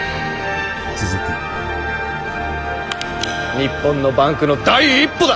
日本のバンクの第一歩だ！